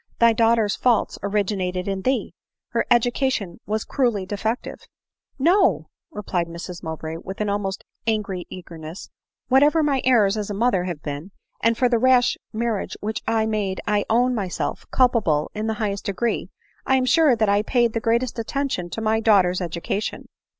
" Thy daughter's faults originated in thee ! her education was cruelly de fective." " No !" replied Mrs Mowbray with almost angry JL .*.^*~ <4 ADELINE MOWBRAY. 299 eagerness, " whatever my errors as a mother have been, and for the rash marriage which I made I own. myself culpable in the highest degree, I am sure that I paid the greatest attention to my daughter's education.